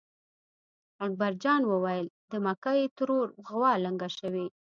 اکبر جان وېل: د مکۍ ترور غوا لنګه شوې.